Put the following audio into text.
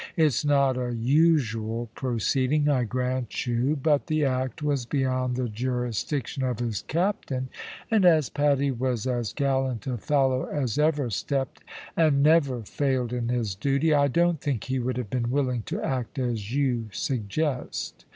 It's not a usual proceeding, I grant you, but the act was beyond the jurisdiction of his captain, and as Paddy was as gallant a fellow as ever stepped and never failed in his duty, I don't think he would have been willing to act as you suggest.